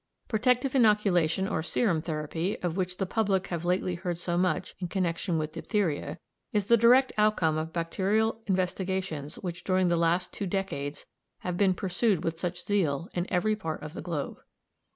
Protective inoculation or serum therapy, of which the public have lately heard so much in connection with diphtheria, is the direct outcome of bacterial investigations which during the last two decades have been pursued with such zeal in every part of the globe.